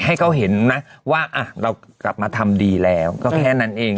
ให้เขาเห็นนะว่าเรากลับมาทำดีแล้วก็แค่นั้นเอง